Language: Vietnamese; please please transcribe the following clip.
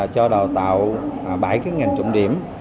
cho đào tạo bảy cái ngành trọng điểm